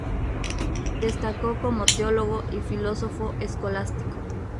Destacó como teólogo y filósofo escolástico.